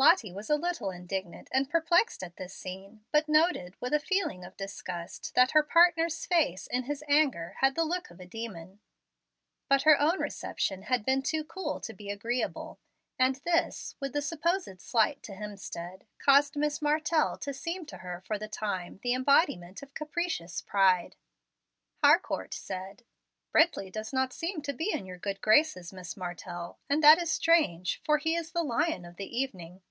Lottie was a little indignant and perplexed at this scene; but noted, with a feeling of disgust, that her partner's face, in his anger, had the look of a demon. But her own reception had been too cool to be agreeable, and this, with the supposed slight to Hemstead, caused Miss Martell to seem to her, for the time, the embodiment of capricious pride. Harcourt said, "Brently does not seem to be in your good graces, Miss Martell; and that is strange, for he is the lion of the evening."